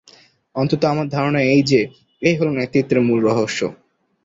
অন্তত আমার ধারণা এই যে, এই হল নেতৃত্বের মূল রহস্য।